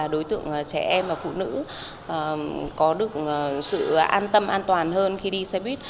đối tượng trẻ em và phụ nữ có được sự an tâm an toàn hơn khi đi xe buýt